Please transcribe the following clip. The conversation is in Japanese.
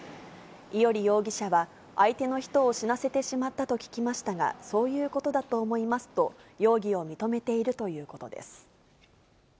伊従容疑者は、相手の人を死なせてしまったと聞きましたが、そういうことだと思いますと容疑を認めているということです。